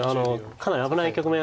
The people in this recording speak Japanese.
かなり危ない局面